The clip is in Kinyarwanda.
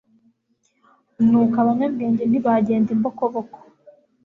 nuko abanyabwenge ntibagenda imbokoboko.